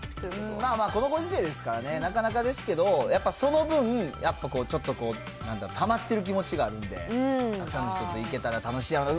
まあまあ、このご時世ですからね、なかなかですけど、やっぱその分、ちょっとたまっている気持があるんで、たくさんの人と行けたら楽しいやろなと。